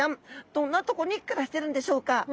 どんなとこに暮らしているんでしょうか？